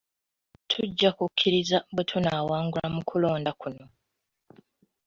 Tujja kukkiriza bwe tunnaawangulwa mu kulonda kuno.